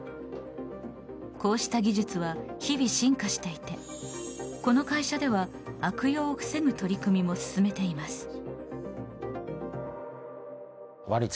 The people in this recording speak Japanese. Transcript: こうした技術は日々進化していてこの会社では、悪用を防ぐ取り組みも進めています。